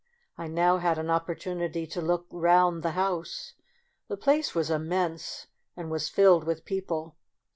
I now had an opportunity to look round the house. The place was immense, and was filled with people.